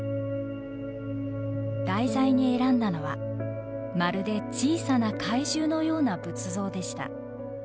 題材に選んだのはまるで小さな怪獣のような仏像でした。